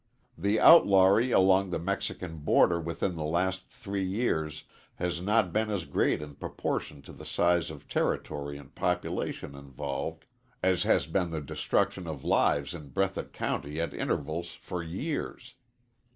The outlawry along the Mexican border within the last three years has not been as great in proportion to size of territory and population involved as has been the destruction of lives in Breathitt County at intervals for years.